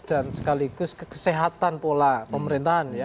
dan sekaligus kesehatan pola pemerintahan ya